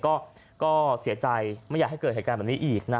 ก็เสียใจไม่อยากให้เกิดเหตุการณ์แบบนี้อีกนะ